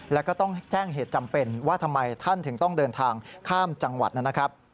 แล้วก็ต้องแจ้งเหตุจำเป็นว่าทำไมท่านถึงต้องเดินทางข้ามจังหวัดนะครับ